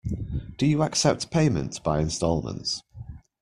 Do you accept payment by instalments?